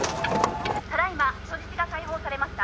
「ただ今人質が解放されました」